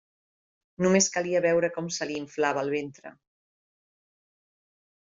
Només calia veure com se li inflava el ventre.